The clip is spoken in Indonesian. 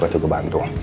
gue juga bantu